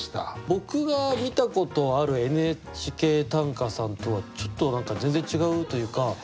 僕が見たことある「ＮＨＫ短歌」さんとはちょっと何か全然違うというか。